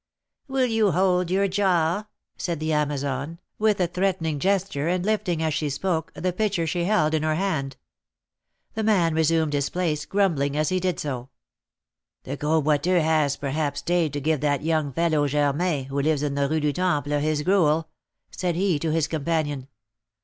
"Will you hold your jaw?" said the Amazon, with a threatening gesture, and lifting, as she spoke, the pitcher she held in her hand. The man resumed his place, grumbling as he did so. "The Gros Boiteux has, perhaps, stayed to give that young fellow Germain, who lives in the Rue du Temple, his gruel," said he, to his companion.